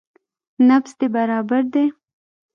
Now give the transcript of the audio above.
نبض دې برابر ديه.